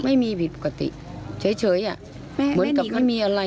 ไม่มีผิดปกติเฉยอ่ะเหมือนกับไม่มีอะไร